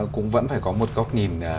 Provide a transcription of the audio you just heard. cũng vẫn phải có một góc nhìn